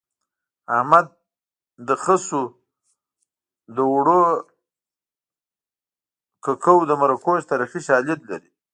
احمد د خسو د اوړو ککو د مرکو تاریخي شالید لري